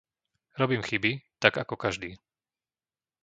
Robím chyby tak ako každý.